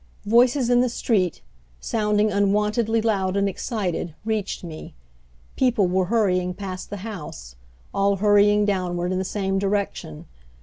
Voices in the street, sounding unwontedly loud and excited, reached me. People were hurrying past the house all hurrying downward in the same direction.